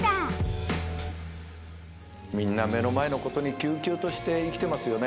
みんな目の前のことにきゅうきゅうとして生きてますよね。